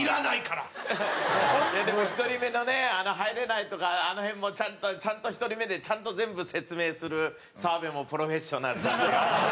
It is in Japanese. でも１人目のね入れないとかあの辺もちゃんと１人目でちゃんと全部説明する澤部もプロフェッショナルですよ。